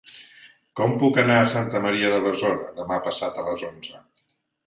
Com puc anar a Santa Maria de Besora demà passat a les onze?